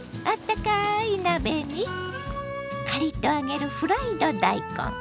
あったかい鍋にカリッと揚げるフライド大根。